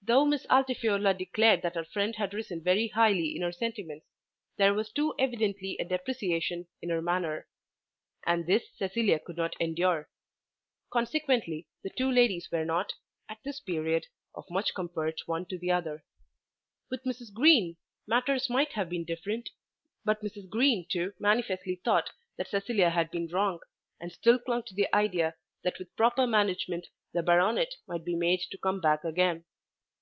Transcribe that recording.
Though Miss Altifiorla declared that her friend had risen very highly in her sentiments, there was too evidently a depreciation in her manner; and this Cecilia could not endure. Consequently the two ladies were not, at this period, of much comfort one to the other. With Mrs. Green matters might have been different; but Mrs. Green too manifestly thought that Cecilia had been wrong, and still clung to the idea that with proper management the baronet might be made to come back again.